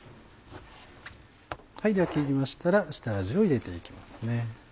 では切りましたら下味を入れて行きますね。